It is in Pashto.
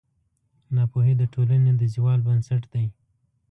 ناپوهي د ټولنې د زوال بنسټ دی.